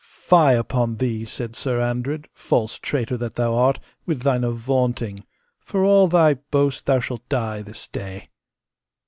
Fie upon thee, said Sir Andred, false traitor that thou art, with thine avaunting; for all thy boast thou shalt die this day.